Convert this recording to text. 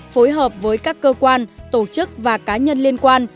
phối hợp với các cơ quan tổ chức và cá nhân liên quan